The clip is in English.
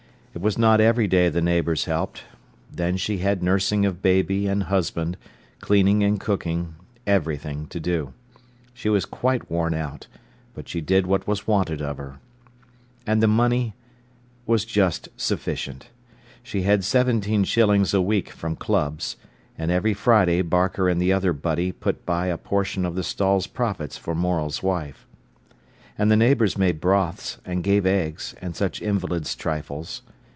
It was not every day the neighbours helped. Then she had nursing of baby and husband, cleaning and cooking, everything to do. She was quite worn out, but she did what was wanted of her. And the money was just sufficient. She had seventeen shillings a week from clubs, and every Friday Barker and the other butty put by a portion of the stall's profits for Morel's wife. And the neighbours made broths, and gave eggs, and such invalids' trifles.